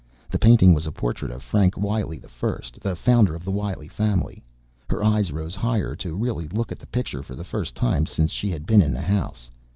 The painting was a portrait of Frank Wiley I, the founder of the Wiley family. Her eyes rose higher to really look at the picture for the first time since she had been in the house.